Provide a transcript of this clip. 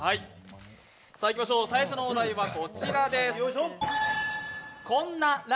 最初のお題はこちらです。